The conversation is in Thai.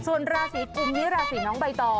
ส่วนลาศรีกุ้งนี่ลาศรีน้องใบต่อ